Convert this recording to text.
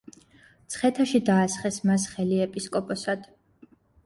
მცხეთაში დაასხეს მას ხელი ეპისკოპოსად.